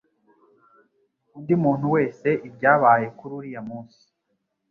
undi muntu wese ibyabaye kuri uriya munsi